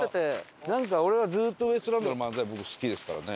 なんか俺はずっとウエストランドの漫才好きですからね。